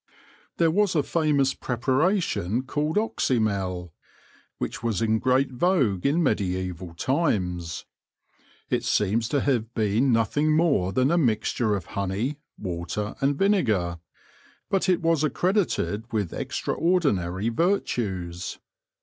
There was a famous preparation called Oxymel, which was in great vogue in mediaeval times. It seems to have been nothing more than a mixture of honey, water, and vinegar ; but it was accredited with extraordinary virtues.